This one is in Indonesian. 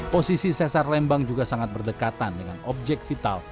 posisi sesar lembang juga sangat berdekatan dengan objek vital